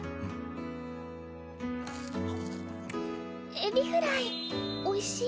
エビフライおいしい？